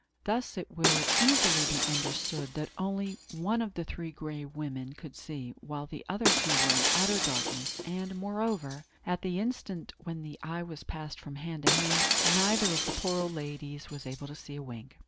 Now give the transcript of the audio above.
Thus it will easily be understood that only one of the Three Gray Women could see, while the other two were in utter darkness; and, moreover, at the instant when the eye was passing from hand to hand, neither of the poor old ladies was able to see a wink.